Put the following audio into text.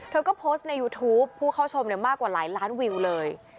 เธอก็โพสต์ในยูทูปผู้เข้าชมมากกว่าหลายล้านวิวเลย